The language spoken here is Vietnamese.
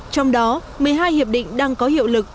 trong đó một mươi hai hiệp định đang có hiệu lực